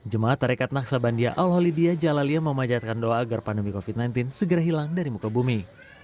jemaah tarekat naksabandia al holidiyah jalaliyah memanjatkan doa agar pandemi covid sembilan belas segera hilang dari muka bumi